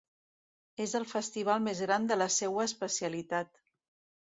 És el festival més gran de la seua especialitat.